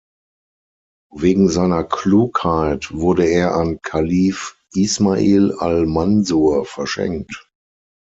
Wegen seiner Klugheit wurde er an Kalif Ismail al-Mansur verschenkt.